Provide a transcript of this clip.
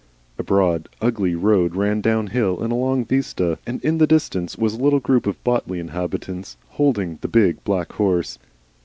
A broad, ugly road ran downhill in a long vista, and in the distance was a little group of Botley inhabitants holding the big, black horse.